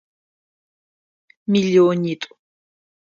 Миллионитӏу.